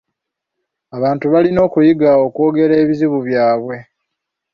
Abantu balina okuyiga okwogera ebizibu byabwe.